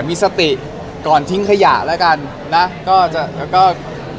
พอไปเที่ยวเหมือนกันได้